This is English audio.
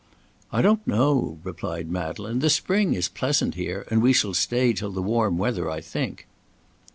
"I don't know," replied Madeleine; "the spring is pleasant here, and we shall stay till the warm weather, I think."